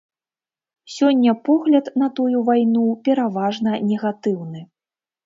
Сёння погляд на тую вайну пераважна негатыўны.